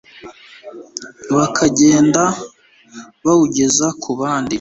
bakagenda bawugeza ku bandi